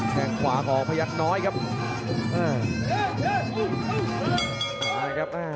แข่งขวาของพยักษ์น้อยครับ